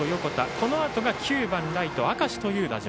このあとが９番ライト、明石という打順。